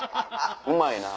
うまいな。